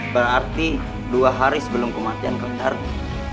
berarti dua hari sebelum kematian kang darmo